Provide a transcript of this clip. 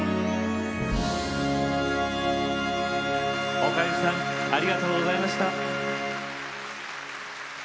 おかゆさんありがとうございました。